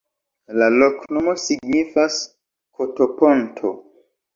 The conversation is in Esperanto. La loknomo signifas: koto-ponto.